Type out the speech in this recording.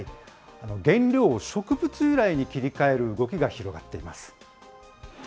原料を植物由来に切り替える動きが広がっています。